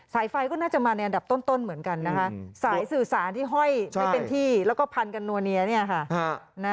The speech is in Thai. ไฟก็น่าจะมาในอันดับต้นเหมือนกันนะคะสายสื่อสารที่ห้อยไม่เป็นที่แล้วก็พันกันนัวเนียเนี่ยค่ะ